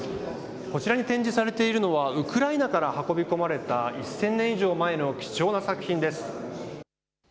こちらに展示されているのはウクライナから運び込まれた１０００年以上前の貴重な作品です。